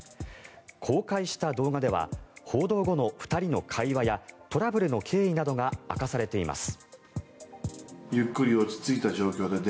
公開した動画では報道後の２人の会話やトラブルの経緯などが明かされています。